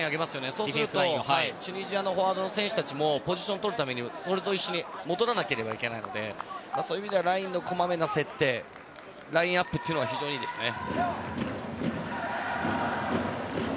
そうするとチュニジアのフォワードの選手たちもポジションとるために一緒に戻らなければいけないのでそういう意味ではラインのこまめな設定ラインアップというのが非常にいいですね。